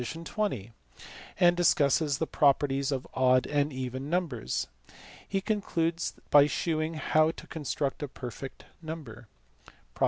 20), and discusses the properties of odd and even numbers. He concludes by shewing how to construct a "perfect" number (prop.